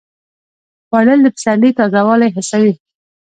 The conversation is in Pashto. خوړل د پسرلي تازه والی حسوي